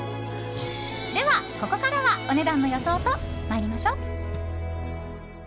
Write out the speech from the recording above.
では、ここからはお値段の予想と参りましょう！